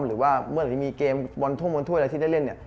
หรือว่าเมื่อไหร่ที่มีเกมบนทั่วที่ได้เล่นเนี่ย